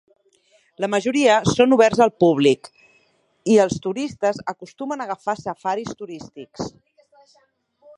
La majoria són oberts al públic, i els turistes acostumen a agafar safaris turístics.